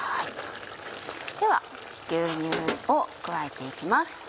では牛乳を加えて行きます。